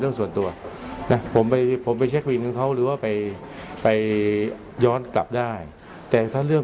เรื่องส่วนตัวนะผมไปผมไปเช็ควินของเขาหรือว่าไปไปย้อนกลับได้แต่ถ้าเรื่อง